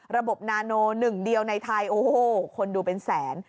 ระบบนาโน๑ในไทยโอ้โหคนดูเป็นแสน